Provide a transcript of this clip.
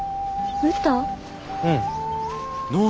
うん。